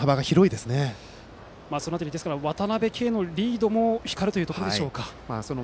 その辺り渡辺憩のリードも光るというところでしょうか。